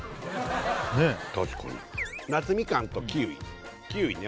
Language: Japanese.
ねえ確かに夏みかんとキウイキウイね